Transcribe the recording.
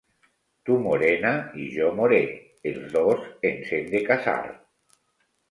Tu morena i jo moré, els dos ens hem de casar.